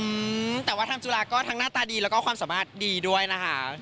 อืมแต่ว่าธรรมศาสตร์จุฬาก็ทั้งหน้าตาดีและความสามารถดีด้วยนะคะ